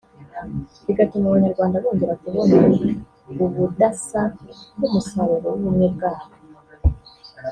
bigatuma Abanyarwanda bongera kubona ubudasa nk’umusaruro w’ubumwe bwabo